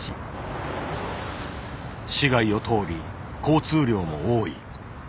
市街を通り交通量も多い。